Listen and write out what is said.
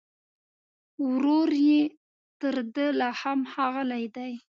ورور يې تر ده لا هم ښاغلی دی